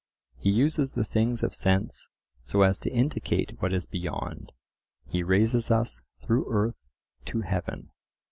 He uses the things of sense so as to indicate what is beyond; he raises us through earth to heaven.